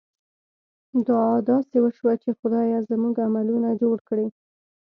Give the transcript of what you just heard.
دعا داسې وشوه چې خدایه! زموږ عملونه جوړ کړې.